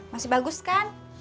masih bagus kan